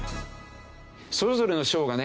それぞれの省がね